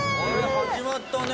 始まったね。